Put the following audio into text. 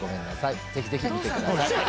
ぜひぜひ見てください。